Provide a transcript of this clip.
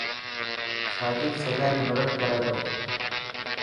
ساجد سڄان ري مدد ڪري ٿو.